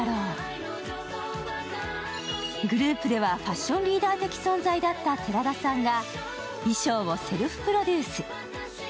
グループではファッションリーダー的存在だった寺田さんが衣装をセルフプロデュース。